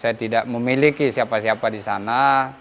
saya tidak memiliki siapa siapa di sana